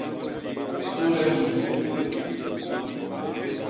Sude biñ.